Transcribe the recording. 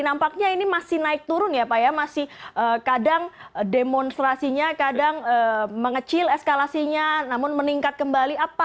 nampaknya ini masih naik turun ya pak ya masih kadang demonstrasinya kadang mengecil eskalasinya namun meningkat kembali